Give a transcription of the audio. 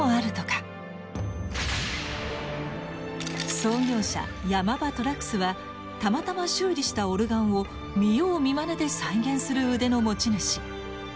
創業者山葉寅楠はたまたま修理したオルガンを見よう見まねで再現する腕の持ち主。